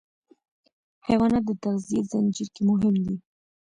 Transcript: حیوانات د تغذیې زنجیر کې مهم دي.